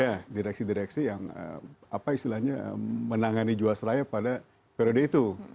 ya direksi direksi yang apa istilahnya menangani jiwasraya pada periode itu